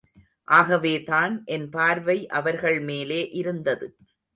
ஆகவேதான் என் பார்வை அவர்கள் மேலே இருந்தது.